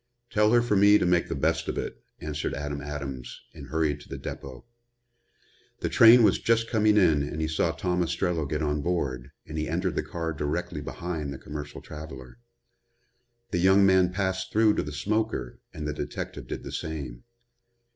"Tell her for me to make the best of it," answered Adam Adams and hurried to the depot. The train was just coming in and he saw Tom Ostrello get on board, and he entered the car directly behind the commercial traveler. The young man passed through to the smoker and the detective did the same.